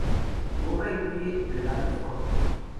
Su obra incluye relatos cortos.